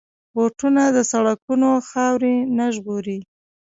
بوټونه د سړکونو خاورې نه ژغوري.